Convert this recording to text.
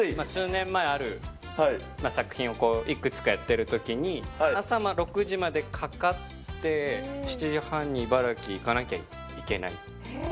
数年前、ある作品をいくつかやってるときに、朝の６時までかかって、７時半に茨城行かなきゃいけない。